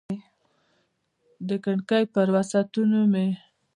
د کړکۍ پر وسعتونو مې